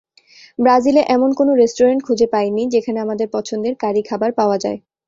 ব্রাজিলে এমন কোনো রেস্টুরেন্ট খুঁজে পাইনি, যেখানে আমাদের পছন্দের কারি খাবার পাওয়া যায়।